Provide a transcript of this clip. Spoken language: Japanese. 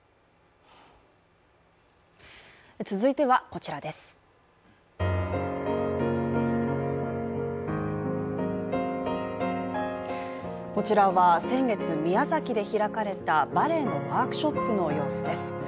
こちらは先月、宮崎で開かれたバレエのワークショップの様子です。